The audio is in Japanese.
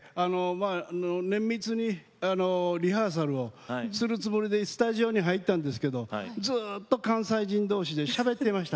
綿密にリハーサルをするつもりでスタジオに入ったんですけどずっと関西人同士でしゃべってました。